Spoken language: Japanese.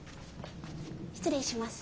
失礼します。